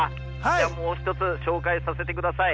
じゃもう一つ紹介させてください。